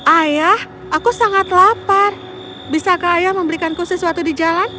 ayah aku sangat lapar bisakah ayah memberikanku sesuatu di jalan